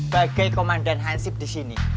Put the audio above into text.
bagai komandan hansip disini